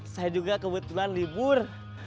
saya juga kebetulan libur